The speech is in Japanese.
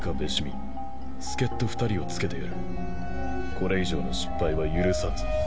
これ以上の失敗は許さんぞ。